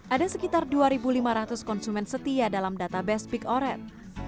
ada sekitar dua lima ratus konsumen setia dalam database big oret